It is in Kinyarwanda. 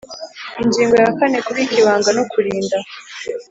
Ingingo ya kane Kubika ibanga no kurinda